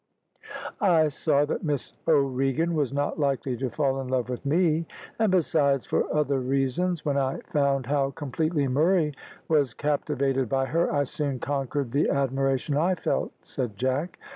"I saw that Miss O'Regan was not likely to fall in love with me, and, besides, for other reasons, when I found how completely Murray was captivated by her, I soon conquered the admiration I felt," said Jack.